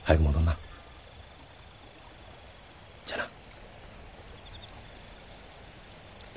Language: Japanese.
じゃあな。